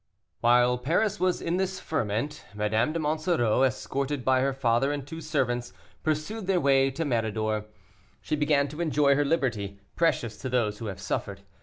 While Paris was in this ferment, Madame de Monsoreau, escorted by her father and two servants, pursued their way to Méridor. She began to enjoy her liberty, precious to those who have suffered.